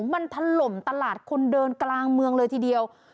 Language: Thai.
มันถล่มตลาดคนเดินกลางเมืองเลยทีเดียว